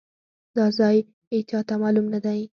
دا ځای ايچاته مالوم ندی.